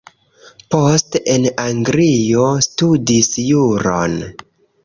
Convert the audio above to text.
Poste en Anglio studis juron.